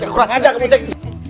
kurang ada kamu ceng